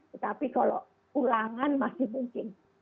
tetapi kalau ulangan masih mungkin